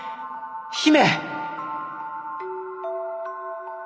姫！